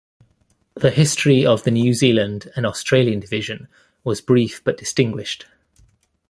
The history of the New Zealand and Australian Division was brief but distinguished.